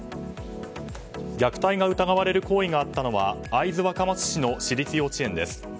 虐待が疑われる行為があったのは会津若松市の私立幼稚園です。